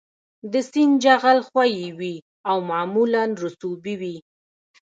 د سیند جغل ښوی وي او معمولاً رسوبي وي